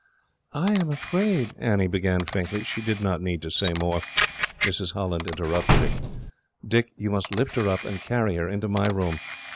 "I am afraid," Annie began faintly. She did not need to say more. Mrs. Holland interrupted her. "Dick, you must lift her up, and carry her into my room.